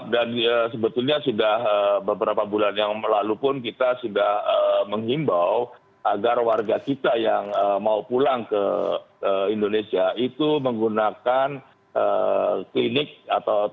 dan sebetulnya sudah beberapa bulan yang lalu pun kita sudah mengimbau agar warga kita yang mau pulang ke indonesia itu menggunakan klinik atau kursus